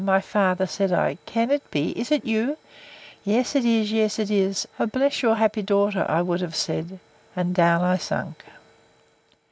my father! said I, can it be?—Is it you? Yes, it is! it is!—O bless your happy daughter! I would have said, and down I sunk.